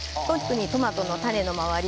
トマトの種の周り